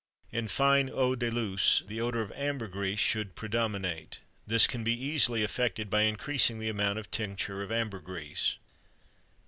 In fine eau de Luce the odor of ambergris should predominate; this can be easily effected by increasing the amount of tincture of ambergris.